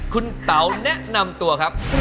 คุณเต๋าแนะนำตัวครับ